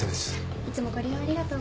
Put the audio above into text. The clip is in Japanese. いつもご利用ありがとうございます。